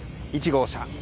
１号車。